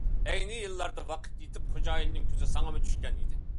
ئەينى يىللاردا، ۋاقىت يېتىپ خوجايىننىڭ كۆزى ساڭىمۇ چۈشكەن ئىدى.